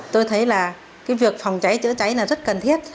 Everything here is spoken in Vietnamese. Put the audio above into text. tôi thấy là việc phòng cháy chữa cháy rất cần thiết